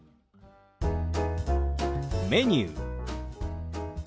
「メニュー」。